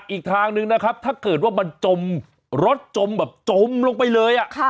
อีกทางหนึ่งนะครับถ้าเกิดว่ามันจมรถจมแบบจมลงไปเลย